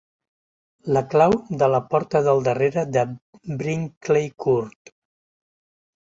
La clau de la porta del darrere de Brinkley Court.